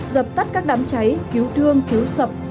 dập tắt các đám cháy cứu thương cứu sập